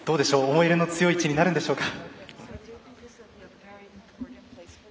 思い入れの強い地になるんでしょうか？